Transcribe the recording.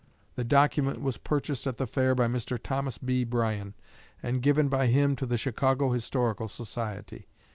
The document was purchased at the Fair by Mr. Thomas B. Bryan, and given by him to the Chicago Historical Society.